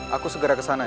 aku segera kesana ya